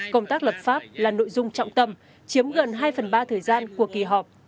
công tác lập pháp là nội dung trọng tâm chiếm gần hai phần ba thời gian của kỳ họp